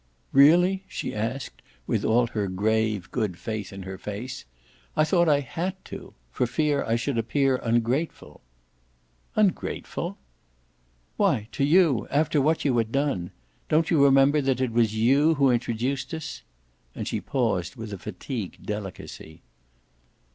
"Really?" she asked with all her grave good faith in her face. "I thought I HAD to for fear I should appear ungrateful." "Ungrateful?" "Why to you after what you had done. Don't you remember that it was you who introduced us ?" And she paused with a fatigued delicacy.